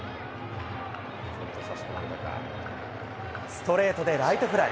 ストレートでライトフライ。